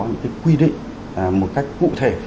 những cái quy định một cách cụ thể